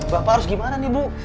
bapak harus gimana nih bu